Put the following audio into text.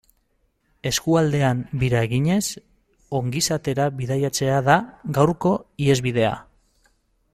Eskualdean bira eginez ongizatera bidaiatzea da gaurko ihesbidea.